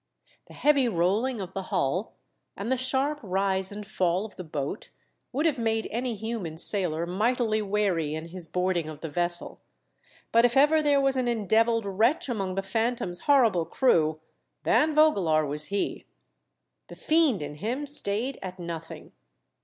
The heavy rolling of the hull, and the sharp rise and fall of the boat, would have made any human sailor mightily wary in his board ing of the vessel, but if ever there was an endevilled wretch among the Phantom's horrible crew. Van Vogelaar was he. The fiend in him stayed at nothing.